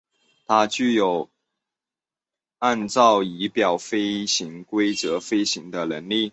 它具有按照仪表飞行规则飞行的能力。